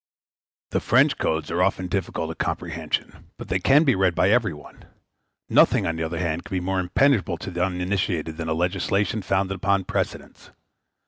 The French codes are often difficult of comprehension, but they can be read by every one; nothing, on the other hand, can be more impenetrable to the uninitiated than a legislation founded upon precedents.